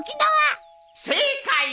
正解！